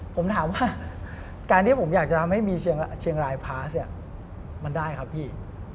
ผมถามว่าการที่ผมอยากจะทำให้มีเชียงรายพาสเนี่ยมันได้ครับพี่